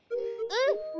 うん！